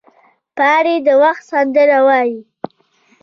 پاڼې د وخت سندره وایي